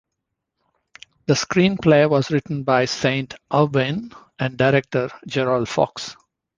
The screenplay was written by Saint Aubyn and director Gerald Fox.